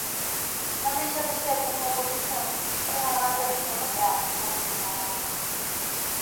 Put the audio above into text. Non deixa de ser unha oposición cunha gran tradición no teatro, confirma Cadaval.